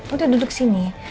udah duduk sini